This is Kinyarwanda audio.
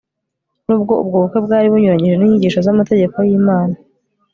nubwo ubwo bukwe bwari bunyuranyije n'inyigisho z'amategeko y'imana